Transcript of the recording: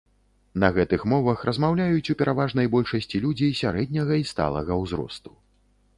На гэтых мовах размаўляюць у пераважнай большасці людзі сярэдняга і сталага ўзросту.